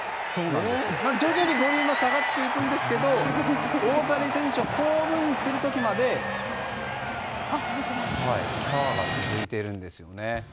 徐々にボリュームは下がっていくんですけど大谷選手ホームインする時までキャーが続いているんです。